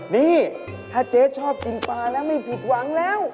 นี่ถ้าเจ๊ชอบกินปลาแล้วไม่ผิดหวังแล้ว